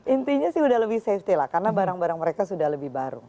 intinya sih udah lebih safety lah karena barang barang mereka sudah lebih baru